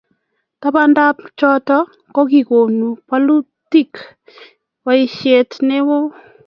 tabandab choto, kokikonu bolutik boisiet neoo